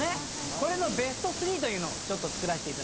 これのベスト３というのを作らせていただきました。